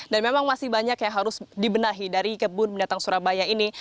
dan memang masih banyak yang harus dibenahi dari kebun mendatang surabaya ini